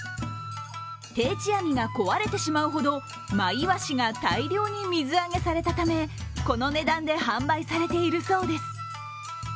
定置網が壊れてしまうほどマイワシが大漁に水揚げされたため、この値段で販売されているそうです。